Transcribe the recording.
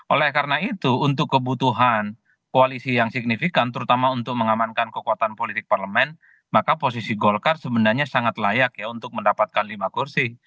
oleh karena itu untuk kebutuhan koalisi yang signifikan terutama untuk mengamankan kekuatan politik parlemen maka posisi golkar sebenarnya sangat layak ya untuk mendapatkan lima kursi